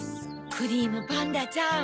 クリームパンダちゃん